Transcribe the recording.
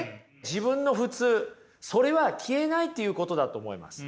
自分の普通それは消えないっていうことだと思います。